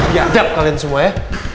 biadab kalian semua ya